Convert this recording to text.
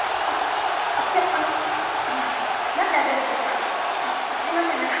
あっいやあのなってあげるっていうかすいません